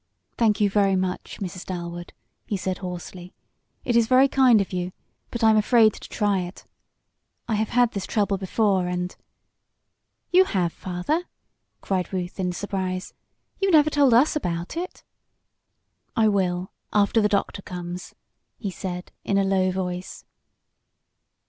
"Thank you very much, Mrs. Dalwood," he said hoarsely. "It is very kind of you, but I'm afraid to try it. I have had this trouble before, and " "You have, Father?" cried Ruth in surprise. "You never told us about it." "I will after the doctor comes," he said in a low voice.